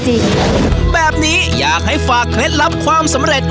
จริงจริงแบบนี้อยากให้ฝากเคล็ดรับความสำเร็จ